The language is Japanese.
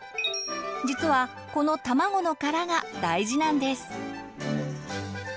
実はこのたまごの殻が大事なんです。